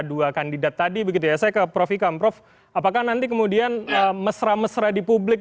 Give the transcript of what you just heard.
dua kandidat tadi begitu ya saya ke prof ikam prof apakah nanti kemudian mesra mesra di publik